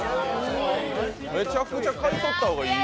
めちゃくちゃ買い取った方がいい。